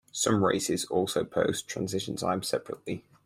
Some races also post transition times separately.